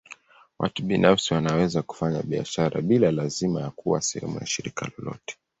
Watu binafsi wanaweza kufanya biashara bila lazima ya kuwa sehemu ya shirika lolote.